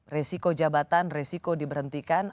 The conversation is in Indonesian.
resiko jabatan resiko diberhentikan